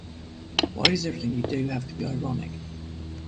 Why does everything you do have to be ironic?